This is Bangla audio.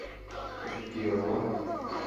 এসব কী বাবা?